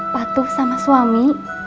patuh sama suami